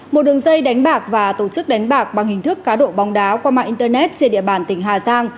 một đường dây đánh bạc và tổ chức đánh bạc bằng hình thức cá độ bóng đá qua mạng internet trên địa bàn tỉnh hà giang